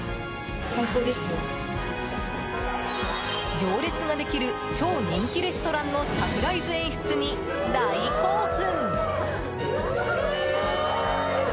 行列ができる超人気レストランのサプライズ演出に大興奮！